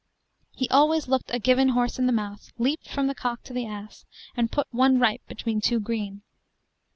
He always looked a given horse in the mouth, leaped from the cock to the ass, and put one ripe between two green.